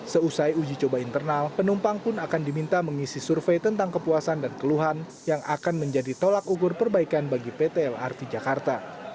seusai uji coba internal penumpang pun akan diminta mengisi survei tentang kepuasan dan keluhan yang akan menjadi tolak ukur perbaikan bagi pt lrt jakarta